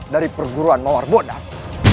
dari perguruan mawar bodas